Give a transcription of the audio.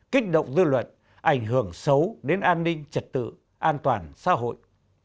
kích động dư luận ảnh hưởng xấu đến an ninh trật tự an toàn xã hội